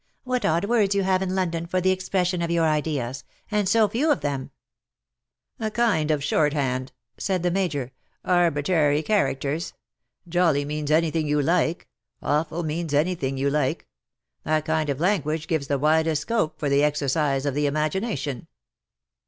" What odd words you have in London for the expression of your ideas — and so few of them V " A kind of short hand/'' said the Major^ ^' arbi trary characters. Jolly means anything you like — awful means anything you like. That kind of language gives the widest scope for the exercise of the imagination."